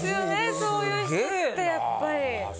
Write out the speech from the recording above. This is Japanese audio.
そういう人ってやっぱり。